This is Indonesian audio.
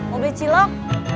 mau beli cilok